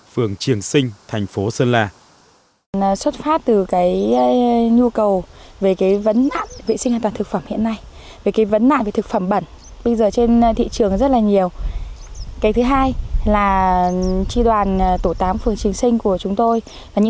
phường triều sinh